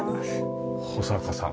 保坂さん。